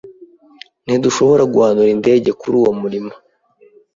Ntidushobora guhanura indege kuri uwo murima.